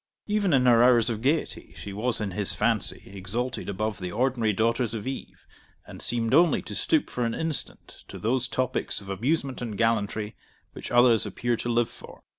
Even in her hours of gaiety she was in his fancy exalted above the ordinary daughters of Eve, and seemed only to stoop for an instant to those topics of amusement and gallantry which others appear to live for.